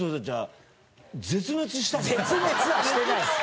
絶滅はしてないです。